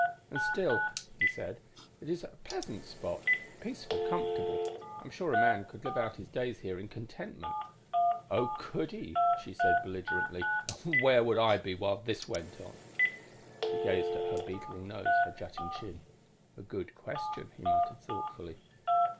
"And still," he said, "it is a pleasant spot peaceful, comfortable. I'm sure a man could live out his days here in contentment."_ "Oh, could he?" she said belligerently. "And where would I be while this went on?" _He gazed at her beetling nose, her jutting chin. "A good question," he muttered thoughtfully.